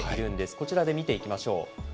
こちらで見ていきましょう。